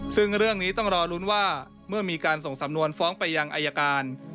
ซึ่งเรื่องนี้ต้องรอลุ้นว่าเมื่อมีการส่งสำนวนฟ้องไปยังอายการ